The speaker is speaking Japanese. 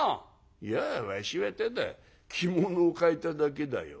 「いやわしはただ着物を替えただけだよ。